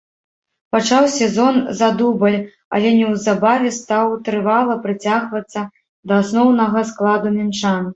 Пачаў сезон за дубль, але неўзабаве стаў трывала прыцягвацца да асноўнага складу мінчан.